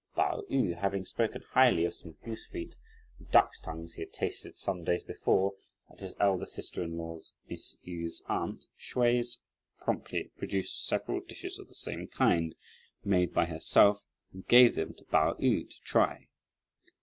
Pao yü, having spoken highly of some goose feet and ducks' tongues he had tasted some days before, at his eldest sister in law's, Mrs. Yu's, "aunt" Hsüeh promptly produced several dishes of the same kind, made by herself, and gave them to Pao yü to try.